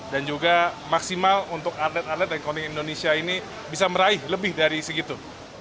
dan juga maksimal untuk atlet atlet dan konting indonesia ini bisa meraih lebih dari segitu